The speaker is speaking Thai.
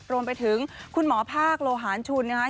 รวมไปถึงคุณหมอภาคโลหารชุนนะคะ